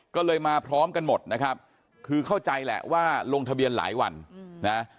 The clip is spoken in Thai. ก็เลยมาพร้อมกันหมดนะครับคือเข้าใจแหละว่าลงทะเบียนหลายวันนะ